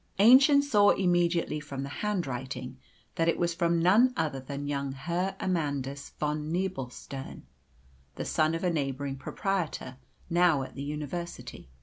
Aennchen saw immediately, from the hand writing, that it was from none other than young Herr Amandus von Nebelstern, the son of a neighbouring proprietor, now at the university.